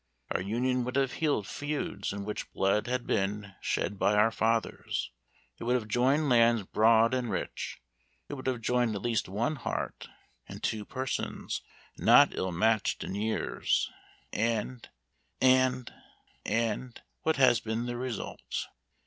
Our union would have healed feuds in which blood had been shed by our fathers; it would have joined lands broad and rich; it would have joined at least one heart, and two persons not ill matched in years and and and what has been the result?"